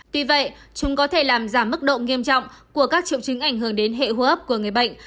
tuy vậy chúng có thể làm giảm mức độ nghiêm trọng của các triệu chứng ảnh hưởng đến hệ hô hấp của người bệnh